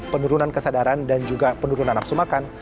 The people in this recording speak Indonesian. penurunan kesadaran dan juga penurunan nafsu makan